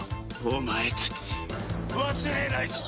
お前たち忘れないぞ。